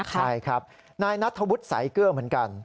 ใช่ครับนายนัทธวุฒิสายเกลือเหมือนกัน